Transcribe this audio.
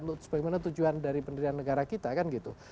untuk sebagaimana tujuan dari pendirian negara kita kan gitu